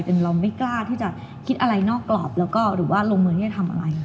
จนเราไม่กล้าที่จะคิดอะไรนอกกรอบหรือว่าลงมือให้ทำอะไร